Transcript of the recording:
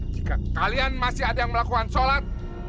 jika kalian masih ada yang melakukan sholat